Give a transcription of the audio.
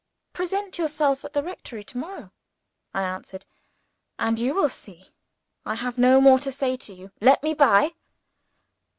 "Present yourself at the rectory tomorrow," I answered "and you will see. I have no more to say to you. Let me by."